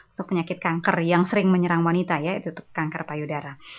untuk penyakit kanker yang sering menyerang wanita ya itu kanker payudara